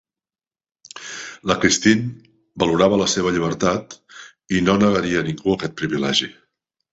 La Christine valorava la seva llibertat, i no negaria a ningú aquest privilegi.